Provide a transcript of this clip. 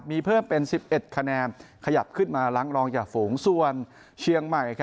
มีเพิ่มเป็น๑๑คะแนนขยับขึ้นมาล้างรองอย่าฝูงส่วนเชียงใหม่